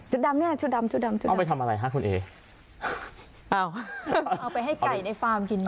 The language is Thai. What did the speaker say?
ดำเนี่ยชุดดำชุดดำชุดเอาไปทำอะไรฮะคุณเอเอาเอาไปให้ไก่ในฟาร์มกินนะ